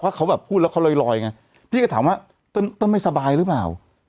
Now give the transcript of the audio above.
เพราะเขาแบบพูดแล้วเขาลอยไงพี่ก็ถามว่าต้นไม่สบายหรือเปล่า